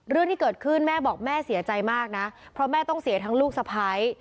เรื่องที่เกิดขึ้นแม่บอกแม่เสียใจมากนะเพราะแม่ต้องเสียทั้งลูกสะพ้าย